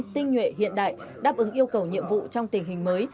tinh nhuệ hiện đại đáp ứng yêu cầu nhiệm vụ trong tình hình mới